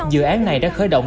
dự án này đã khởi động